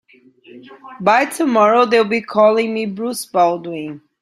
By tomorrow they'll be calling me Bruce Baldwin.